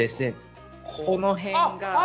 この辺が。